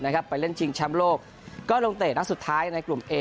นะครับไปเล่นจริงชามโลกก็ติดต่อลองนักที่สุดท้ายในกลุ่มเอ